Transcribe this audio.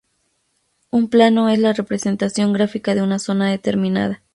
Un plano es la representación gráfica de una zona determinada.